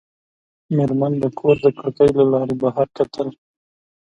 مېرمن د کور د کړکۍ له لارې بهر کتل.